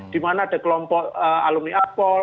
di mana ada kelompok alumni akpol